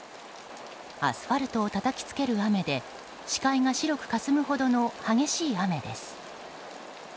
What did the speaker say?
アスファルトをたたき付ける雨で視界が白くかすむほどの激しい雨です。